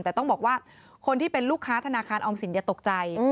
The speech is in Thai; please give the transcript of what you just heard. แต่ต้องบอกว่าคนที่เป็นลูกค้าธนาคารออมสินอย่าตกใจ